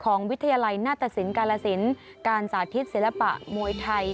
วิทยาลัยหน้าตสินกาลสินการสาธิตศิลปะมวยไทย